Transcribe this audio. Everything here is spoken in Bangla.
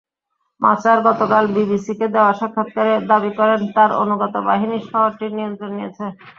মাচার গতকাল বিবিসিকে দেওয়া সাক্ষাৎকারে দাবি করেন, তাঁর অনুগত বাহিনী শহরটির নিয়ন্ত্রণ নিয়েছে।